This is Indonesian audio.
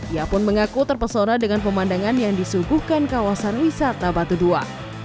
ia pun mengaku terpesona dengan pemandangan yang disuguhkan kawasan wisata batu dua